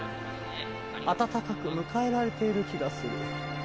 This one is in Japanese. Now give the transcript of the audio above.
温かく迎えられている気がする。